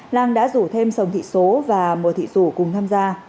lan đã rủ thêm sống thị số và mùa thị rủ cùng tham gia